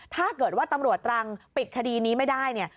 ถ้าเกิดว่าตำรวจตรังปิดคดีนี้ไม่ได้เนี่ย